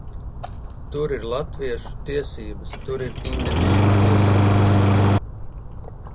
Tur ir latviešu tiesības, tur ir indivīdu tiesības.